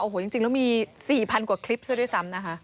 โอ้โหจริงแล้วมี๔๐๐กว่าคลิปซะด้วยซ้ำนะคะ